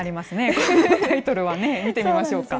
このタイトルはね、見てみましょうか。